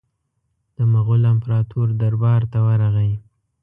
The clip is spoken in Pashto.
د مغول امپراطور دربار ته ورغی.